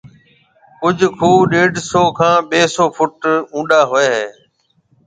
ڪجھ کوھ ڏيڍ سئو کان ٻَي سئو فٽ اونڏا ھوئيَ ھيََََ